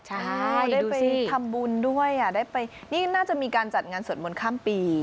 ใช่ได้ไปทำบุญด้วยได้ไปนี่น่าจะมีการจัดงานสวดมนต์ข้ามปี